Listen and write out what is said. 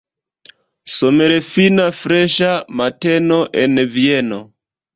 Somerfina, freŝa mateno en Vieno!